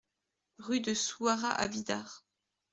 Rue de Souhara à Bidart